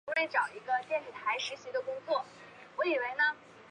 出生于河南光山。